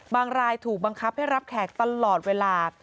รายถูกบังคับให้รับแขกตลอดเวลา